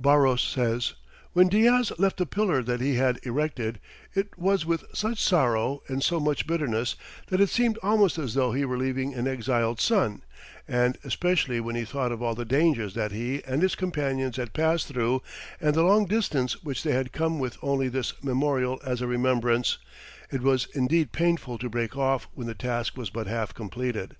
Barros says, "When Diaz left the pillar that he had erected, it was with such sorrow and so much bitterness, that it seemed almost as though he were leaving an exiled son, and especially when he thought of all the dangers that he and his companions had passed through, and the long distance which they had come with only this memorial as a remembrance: it was indeed painful to break off when the task was but half completed."